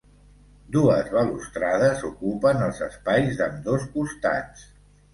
Dues balustrades ocupen els espais d'ambdós costats.